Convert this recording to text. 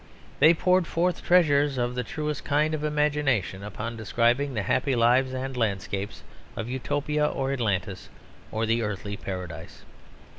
They poured forth treasures of the truest kind of imagination upon describing the happy lives and landscapes of Utopia or Atlantis or the Earthly Paradise.